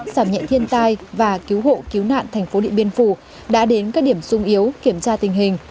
giảm nhẹ thiên tai và cứu hộ cứu nạn thành phố điện biên phủ đã đến các điểm sung yếu kiểm tra tình hình